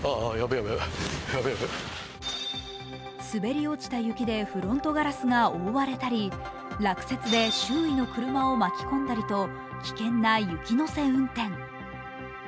滑り落ちた雪でフロントガラスが覆われたり落雪で周囲の車を巻き込んだりと危険な雪乗せ運転。